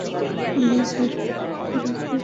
আমি নিজে হাসপাতালের খরচ দিব।